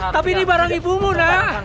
tapi ini barang ibu mun